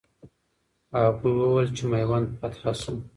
هغوی وویل چې میوند فتح سو.